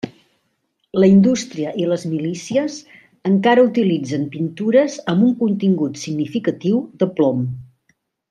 La indústria i les milícies encara utilitzen pintures amb un contingut significatiu de plom.